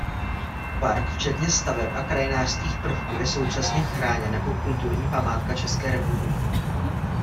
Park včetně staveb a krajinářských prvků je současně chráněn jako kulturní památka České republiky.